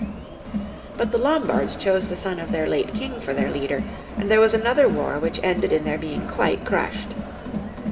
But the Lombards chose the son of their late king for their leader, and there was another war which ended in their being quite crushed.